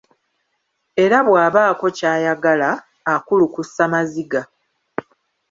Era bw'abaako ky'ayagala, akulukusa maziga.